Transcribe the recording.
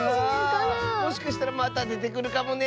もしかしたらまたでてくるかもね。